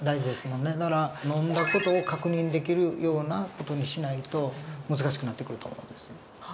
だから飲んだ事を確認できるような事にしないと難しくなってくると思うんです。